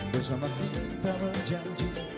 bersama kita berjanji